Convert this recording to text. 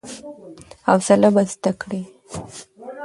حوصله به زده کړې !